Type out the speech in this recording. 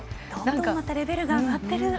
レベルが上がってる。